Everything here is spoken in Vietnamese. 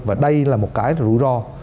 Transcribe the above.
và đây là một cái rủi ro